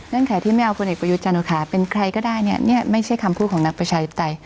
นั่นแค่ที่ไม่เอาคนเอกประยุทธ์จันทร์โอชาค่ะเป็นใครก็ได้เนี่ยไม่ใช่คำพูดของนักประชาลิปไทย